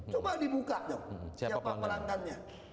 coba dibuka dong siapa pelanggannya